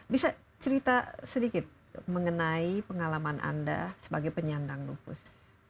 bisa cerita sedikit mengenai pengalaman anda sebagai penyandang lupus